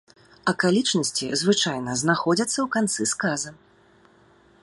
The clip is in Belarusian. Акалічнасці, звычайна, знаходзяцца ў канцы сказа.